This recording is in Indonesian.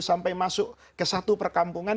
sampai masuk ke satu perkampungan